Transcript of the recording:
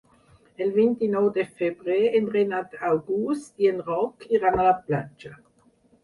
El vint-i-nou de febrer en Renat August i en Roc iran a la platja.